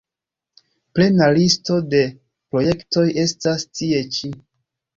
Plena listo de projektoj estas tie ĉi.